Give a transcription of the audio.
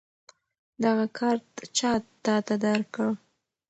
دغه کارت چا تاته درکړ؟